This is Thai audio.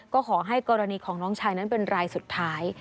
ก็ขอให้กรณีของน้องชายนั้นเป็นรายสุดท้าย